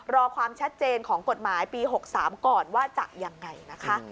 รอความชัดเจนของกฎหมายปี๖๓ก่อนว่าจะยังไงนะคะ